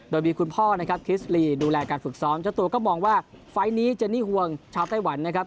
โดยมีคุณพ่อคริสรีดูแลการฝึกซ้อมจนโตก็มองว่าฟ้ายนี้จะนิ่งห่วงชาวไต้หวันนะครับ